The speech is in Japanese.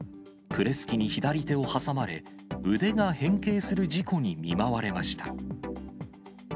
プレス機に左手を挟まれ、腕が変形する事故に見舞われました。